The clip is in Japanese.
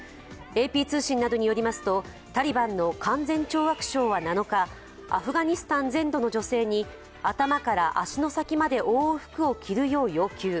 ＡＰ通信などによりますとタリバンの勧善懲悪省は７日、アフガニスタン全土の女性に頭から足の先まで覆う服を着るよう要求。